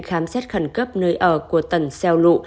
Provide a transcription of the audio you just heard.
khám xét khẩn cấp nơi ở của tần xeo lụ